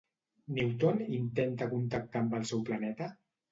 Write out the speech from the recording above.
Newton intenta contactar amb el seu planeta?